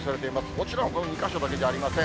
もちろん、この２か所だけじゃありません。